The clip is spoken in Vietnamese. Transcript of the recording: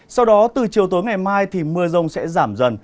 sau đó từ chiều tối ngày mai thì mưa rông sẽ giảm dần